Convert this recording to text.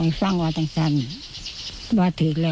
เดี๋ยวมาทรงวางเทียง